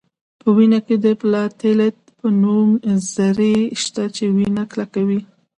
په وینه کې د پلاتیلیت په نوم ذرې شته چې وینه کلکوي